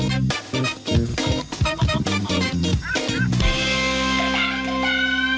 ไปก่อนครับสวัสดีค่ะ